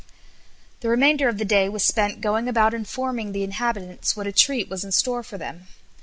'" The remainder of the day was spent going about informing the inhabitants what a treat was in store for them.